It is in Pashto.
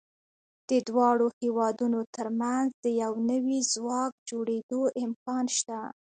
د دواړو هېوادونو تر منځ د یو نوي ځواک جوړېدو امکان شته.